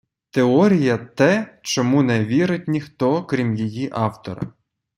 Теорія – те, чому не вірить ніхто, крім її автора.